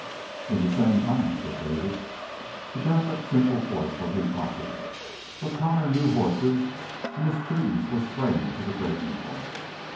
"In the same time," said David. To doubt that simple voice was impossible. But Connor knew horses, and his credence was strained to the breaking point.